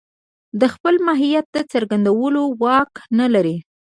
د خپل ماهيت د څرګندولو واک نه لري.